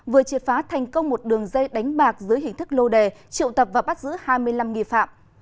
vừa triệt phá thành công một đường dây đánh bạc dưới hình thức lô đề triệu tập và bắt giữ hai mươi năm nghi phạm